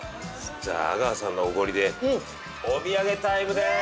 じゃあ阿川さんのおごりでお土産タイムです！